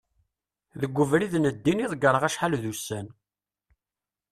deg ubrid n ddin i ḍegreɣ acḥal d ussan